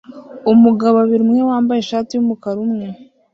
Umugabo babiri umwe wambaye ishati yumukara umwe